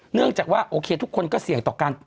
เนื่องจากว่าโอเคทุกคนก็เสี่ยงต่อกัน